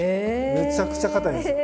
めちゃくちゃ硬いんですよ。